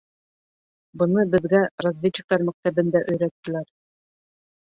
Быны беҙгә разведчиктар мәктәбендә өйрәттеләр.